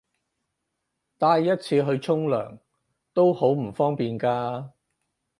帶一次去沖涼都好唔方便㗎